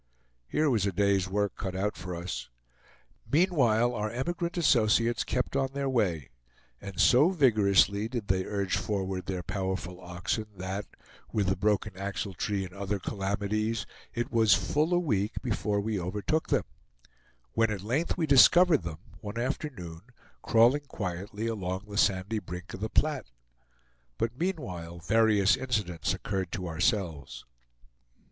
Here was a day's work cut out for us. Meanwhile, our emigrant associates kept on their way, and so vigorously did they urge forward their powerful oxen that, with the broken axle tree and other calamities, it was full a week before we overtook them; when at length we discovered them, one afternoon, crawling quietly along the sandy brink of the Platte. But meanwhile various incidents occurred to ourselves.